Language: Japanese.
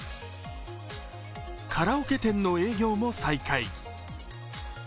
カラオケ店の営業も再開。